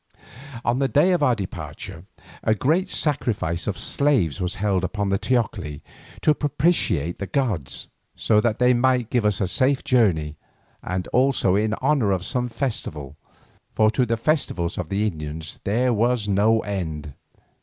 On the day of our departure a great sacrifice of slaves was held upon the teocalli to propitiate the gods, so that they might give us a safe journey, and also in honour of some festival, for to the festivals of the Indians there was no end.